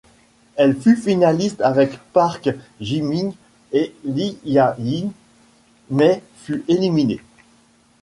Elle fut finaliste avec Park Ji-min et Lee Ha-yi, mais fut éliminée.